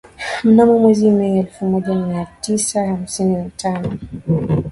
mnamo mwezi Mei elfu moja mia tisa hamsini na tano